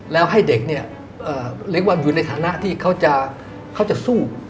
แล้วให้เด็กเนี่ยเรียกว่าอยู่ในฐานะที่เขาจะสู้